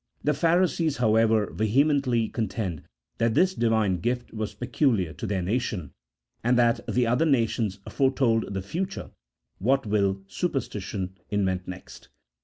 The Pharisees, however, vehemently contend that this Divine gift was peculiar to their nation, and that the other nations foretold the future (what will superstition invent next?)